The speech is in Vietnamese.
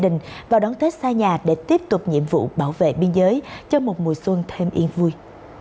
đình vào đón tết xa nhà để tiếp tục nhiệm vụ bảo vệ biên giới cho một mùa xuân thêm yên vui